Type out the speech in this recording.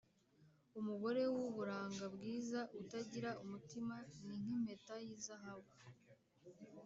umugore w’uburanga bwiza utagira umutima, ni nk’impeta y’izahabu